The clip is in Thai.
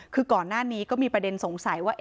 คือก่อนหน้านี้ก็มีประเด็นสงสัยว่า